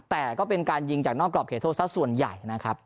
แต่ก็เป็นการยิงจากนอกกรอบเขตโทษสักส่วนใหญ่นะครับ